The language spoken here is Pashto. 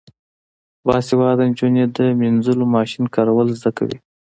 باسواده نجونې د مینځلو ماشین کارول زده کوي.